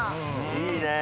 いいね。